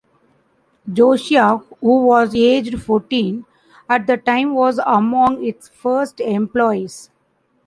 Josiah, who was aged fourteen at the time was among its first employees.